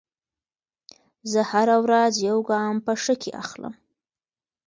زه هره ورځ یو ګام په ښه کې اخلم.